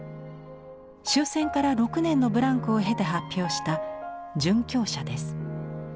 終戦から６年のブランクを経て発表した「殉教者」です。